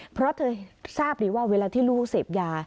เพราะเธอทราบดีว่าเวลาที่ลูกเสพยา